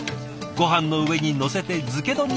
ごはんの上にのせて漬け丼に。